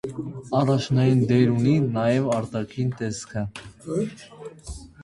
Առաջնային դեր ունի նաև արտաքին տեսքը։